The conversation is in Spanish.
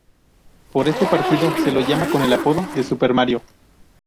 Por este partido se lo llama con el apodo de Super Mario.